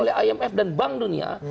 oleh imf dan bank dunia